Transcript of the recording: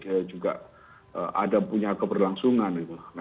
dia juga ada punya keberlangsungan